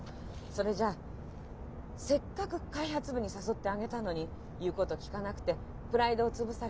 それじゃせっかく開発部に誘ってあげたのに言うことを聞かなくてプライドを潰されたから？